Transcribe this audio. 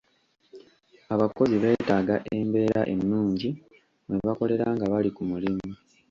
Abakozi beetaaga embeera ennungi mwe bakolera nga bali ku mulimu.